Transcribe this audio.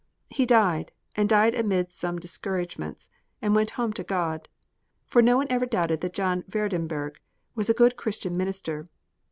He died, and died amid some discouragements, and went home to God; for no one ever doubted that John Vredenburgh was a good Christian minister.